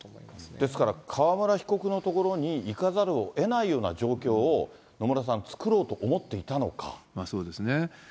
ですから、川村被告の所に行かざるをえないような状況を、野そうですね。